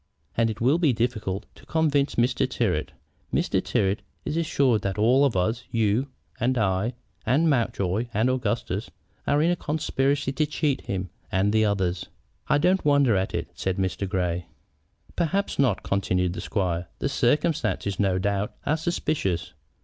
And it will be difficult to convince Mr. Tyrrwhit. Mr. Tyrrwhit is assured that all of us, you and I, and Mountjoy and Augustus, are in a conspiracy to cheat him and the others." "I don't wonder at it," said Mr. Grey. "Perhaps not," continued the squire; "the circumstances, no doubt, are suspicious.